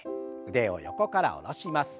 腕を横から下ろします。